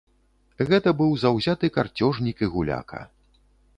Гэта быў заўзяты карцёжнік і гуляка.